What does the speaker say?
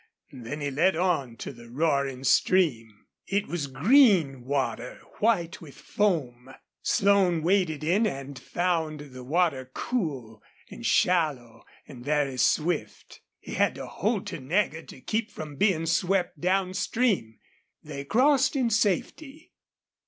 Then he led on to the roaring stream. It was green water white with foam. Slone waded in and found the water cool and shallow and very swift. He had to hold to Nagger to keep from being swept downstream. They crossed in safety.